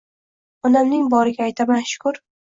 Onamning boriga aytaman shkur